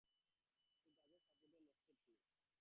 It doesn't supported nested keys